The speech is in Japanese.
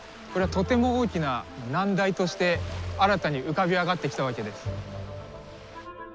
これはとても大きな難題として新たに浮かび上がってきたわけです。